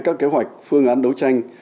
các kế hoạch phương án đấu tranh